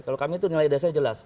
kalau kami itu nilai desanya jelas